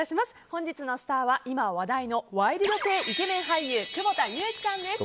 本日のスターは今話題のワイルド系イケメン俳優久保田悠来さんです。